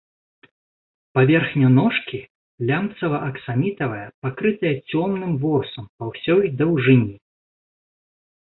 Паверхня ножкі лямцава-аксамітавая, пакрытая цёмным ворсам па ўсёй даўжыні.